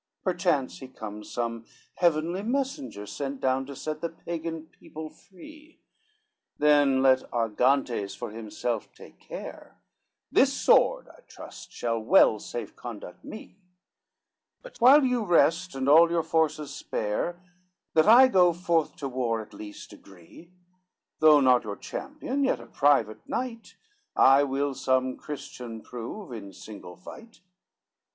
XIII "Perchance he comes some heavenly messenger, Sent down to set the Pagan people free, Then let Argantes for himself take care, This sword, I trust, shall well safe conduct me: But while you rest and all your forces spare, That I go forth to war at least agree; Though not your champion, yet a private knight, I will some Christian prove in single fight."